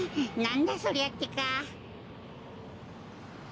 なんだそりゃってか。